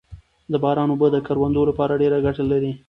د باران اوبه د کروندو لپاره ډېره ګټه لري